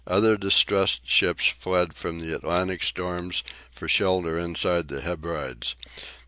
Other distressed ships fled from the Atlantic storms for shelter inside the Hebrides.